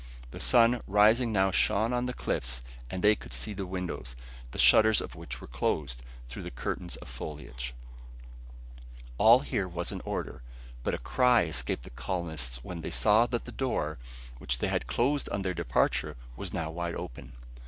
The rising sun now shone on the cliff and they could see the windows, the shutters of which were closed, through the curtains of foliage. All here was in order; but a cry escaped the colonists when they saw that the door, which they had closed on their departure, was now wide open.